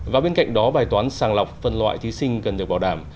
và bên cạnh đó bài toán sàng lọc phân loại thí sinh cần được bảo đảm